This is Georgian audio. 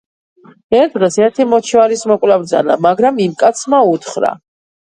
ერთ დღეს ერთი მოჩივარის მოკვლა ბრძანა, მაგრამ იმ კაცმა უთხრა: